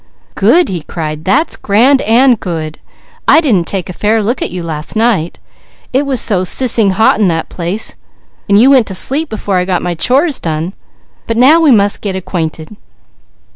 "Good!" he cried. "That's grand and good! I didn't take a fair look at you last night. It was so sissing hot in that place and you went to sleep before I got my chores done; but now we must get acquainted.